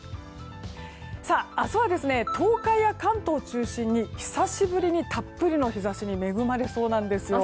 明日は、東海や関東を中心に久しぶりにたっぷりの日差しに恵まれそうなんですよ。